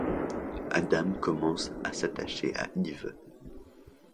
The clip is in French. Adam commence à s'attacher à Yves.